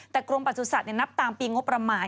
แต่กงบรรจุศัทร์นี่นับตามปีงบประมาณ